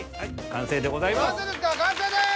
完成です。